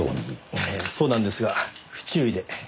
ええそうなんですが不注意で。